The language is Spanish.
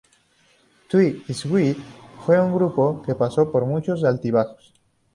The Sweet fue un grupo que pasó por muchos altibajos.